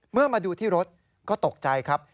เมื่อมาดูที่รถก็ตกใจครับ